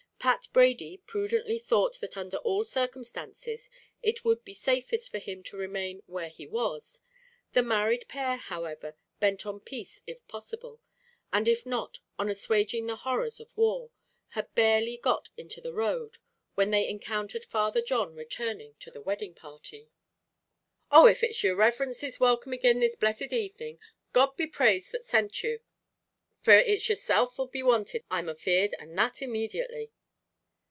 Pat Brady prudently thought that under all circumstances it would be safest for himself to remain where he was. The married pair, however, bent on peace if possible, and if not, on assuaging the horrors of war, had barely got into the road, when they encountered Father John returning to the wedding party. "Oh, and it's yer riverence is welcome agin this blessed evening. God be praised that sent you, for it's yerself 'll be wanted, I'm afeard, and that immediately."